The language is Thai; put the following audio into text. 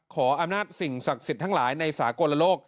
ขออำนาจสิ่งศักดิ์สิทธิ์ทั้งหลายในสากลโลก